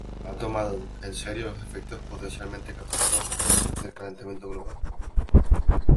Ha tomado en serio los efectos potencialmente catastróficos del calentamiento global.